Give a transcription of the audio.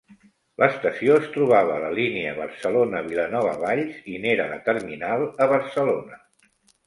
L'estació es trobava a la línia Barcelona-Vilanova-Valls i n'era la terminal a Barcelona.